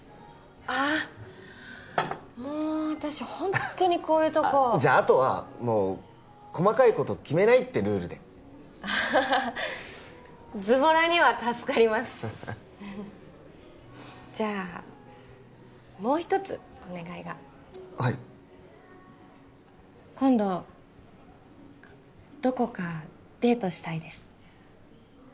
ああもう私ホントにこういうとこじゃああとはもう細かいこと決めないってルールでズボラには助かりますじゃあもう一つお願いがはい今度どこかデートしたいです